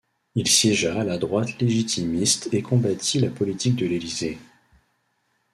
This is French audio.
Il siégea à la droite légitimiste et combattit la politique de l'Élysée.